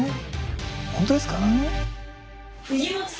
本当ですか？